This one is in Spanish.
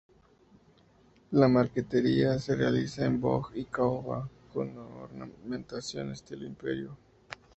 La marquetería se realiza en boj y caoba, con ornamentación estilo Imperio.